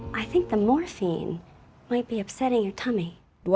saya pikir morfin itu mungkin membuat jantungmu terlalu teruk